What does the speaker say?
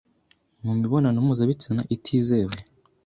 mu mibonano mpuzabitsina itizewe,